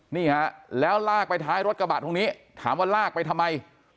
นี่ฮะแล้วลากไปท้ายรถกระบะตรงนี้ถามว่าลากไปทำไม